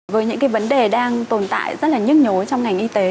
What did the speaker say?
với những cái vấn đề đang tồn tại rất là nhức nhối trong ngành y tế